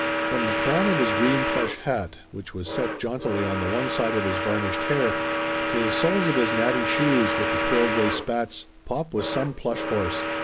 From the crown of his green plush hat, which was set jauntily on the one side of his varnished hair, to the soles of his natty shoes with the pearl gray spats, pop was some plush horse